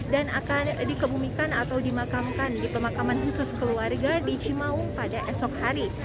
dan akan dikebumikan atau dimakamkan di pemakaman khusus keluarga di cimaung pada esok hari